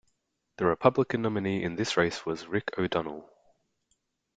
The Republican nominee in this race was Rick O'Donnell.